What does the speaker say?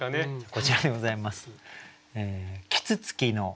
こちらでございます。